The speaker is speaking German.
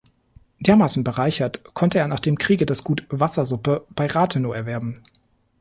Dermaßen bereichert, konnte er nach dem Kriege das Gut Wassersuppe bei Rathenow erwerben.